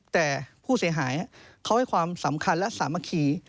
แต่ผู้เสียหายเขาให้ความสำคัญและสามัคคี